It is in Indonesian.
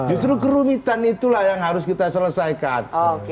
justru kerumitan itulah yang harus kita selesaikan